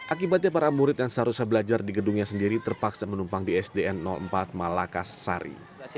akibatnya para murid yang seharusnya belajar di gedungnya sendiri terpaksa menumpang di sdn empat malakas sari